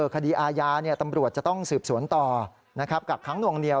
คดีอาญาเนี่ยตำรวจจะต้องสืบสวนต่อนะครับกลับค้างหน่วงเหนียว